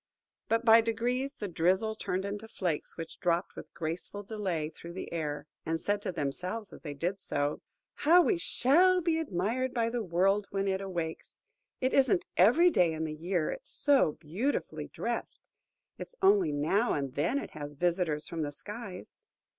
But by degrees the drizzle turned into flakes, which dropped with graceful delay through the air, and said to themselves as they did so, "How we shall be admired by the world when it awakes! It isn't every day in the year it's so beautifully drest. It's only now and then it has visitors from the skies.